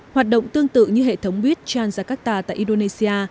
hoạt động tương tự như hệ thống buýt transakarta tại indonesia